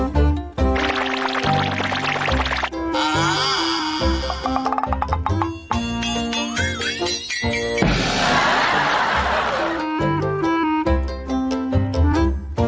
ลาไปแล้วสวัสดีครับค่ะ